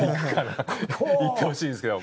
いってほしいですけど。